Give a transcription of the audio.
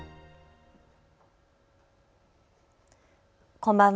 こんばんは。